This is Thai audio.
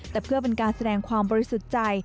แต่เพื่อเป็นการแสดงความบริสุทธิ์ใจ